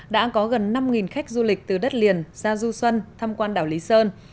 đã có gần năm khách du lịch từ đất liền ra du xuân tham quan đảo lý sơn